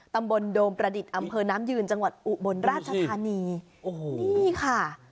โดมประดิษฐ์อำเภอน้ำยืนจังหวัดอุบลราชธานีโอ้โหนี่ค่ะ